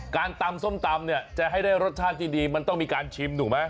การตำส้มตำเนี่ยจะให้ได้รสชาติที่ดีมันต้องมีการชิมถูกไหม